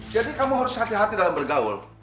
jadi kamu harus hati hati dalam bergaul